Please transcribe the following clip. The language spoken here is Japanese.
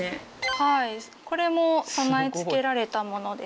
はいこれも備え付けられた物です。